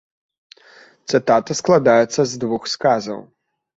Цытата складаецца з двух сказаў.